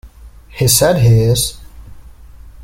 He said he is.